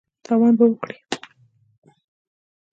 تاوان به وکړې !